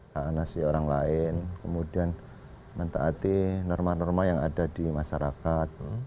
hak anasi orang lain kemudian mentaati norma norma yang ada di masyarakat